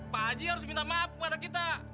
pak haji harus minta maaf kepada kita